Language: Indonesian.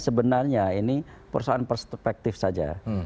sebenarnya ini persoalan perspektif saja